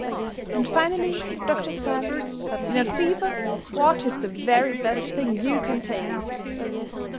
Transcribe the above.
And finally the doctors said: "In a fever, water is the very best thing you can take."